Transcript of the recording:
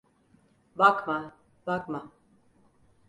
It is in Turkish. Bakma, bakma.